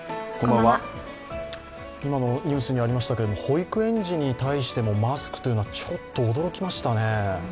今のニュースにありましたけれども、保育園児に対してもマスクというのはちょっと驚きましたね。